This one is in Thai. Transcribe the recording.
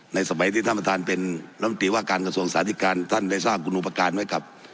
สมัยที่ท่านประธานเป็นรัฐมนตรีว่าการกระทรวงสาธิการท่านได้สร้างคุณอุปการณ์ไว้กับ